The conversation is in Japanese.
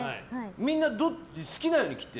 みんな好きなように切ってる？